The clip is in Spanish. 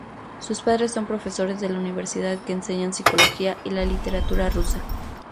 Sus padres son profesores de la Universidad, que enseñan psicología y la literatura rusa.